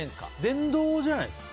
電動じゃないですか。